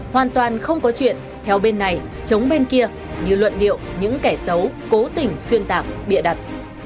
hoàn toàn không có chuyện theo bên này chống bên kia như luận điệu những kẻ xấu cố tình xuyên tạm bịa đặt